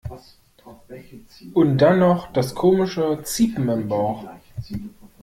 Und dann noch das komische ziepen im Bauch.